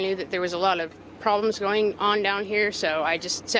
kami tahu bahwa ada banyak yang berlaku di sana